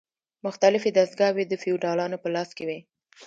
مختلفې دستګاوې د فیوډالانو په لاس کې وې.